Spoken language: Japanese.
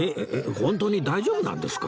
ホントに大丈夫なんですか？